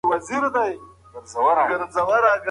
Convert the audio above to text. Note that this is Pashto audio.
ځان روښانتیا د پرمختګ لومړی ګام دی.